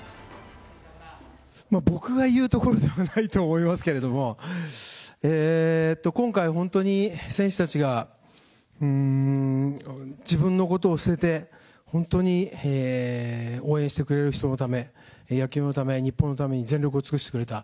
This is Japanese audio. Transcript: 僕が言うところではないと思いますけれども、今回、本当に選手たちが自分のことを捨てて、本当に応援してくれる人のため、野球のため、日本のために全力を尽くしてくれた。